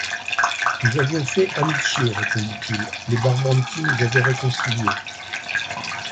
Nous avions fait amitié, répondit-il, les Barbanti nous avaient réconciliés.